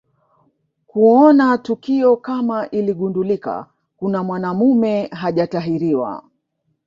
Kuona tukio kama iligundulika kuna mwanamume hajatahiriwa